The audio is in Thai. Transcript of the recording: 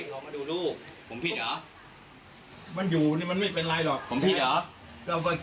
เออวางไว้นั่นเลยไม่ต้องเอาไป